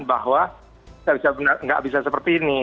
bahwa tidak bisa seperti ini